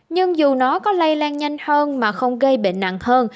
nhưng dù nó có lây lan nhanh hơn mà không gây bệnh nặng hơn